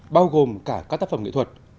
bao gồm cả các tác phẩm nghệ thuật